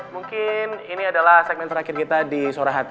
mungkin ini adalah segmen terakhir kita di suara hati